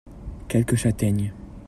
Quelques châtaignes.